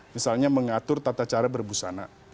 misalnya mengatur tata cara berbusana